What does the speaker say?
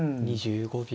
２５秒。